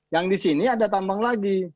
yang di sini ada tambang lagi